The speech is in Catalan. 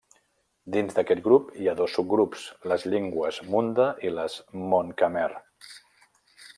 Dins d’aquest grup hi ha dos subgrups, les llengües munda i les mon-khmer.